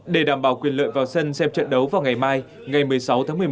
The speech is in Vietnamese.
để đảm bảo quyền lợi vào sân xem trận đấu vào ngày mai ngày một mươi sáu tháng một mươi một